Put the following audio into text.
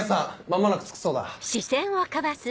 間もなく着くそうだ。